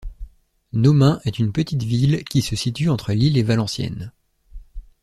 Nomain est une petite ville qui se situe entre Lille et Valenciennes.